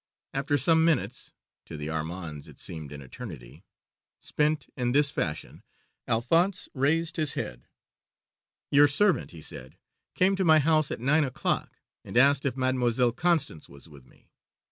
After some minutes to the Armandes it seemed an eternity spent in this fashion, Alphonse raised his head. "Your servant," he said, "came to my house at nine o'clock and asked if Mademoiselle Constance was with me.